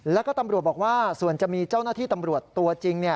แล้วก็ตำรวจบอกว่าส่วนจะมีเจ้าหน้าที่ตำรวจตัวจริง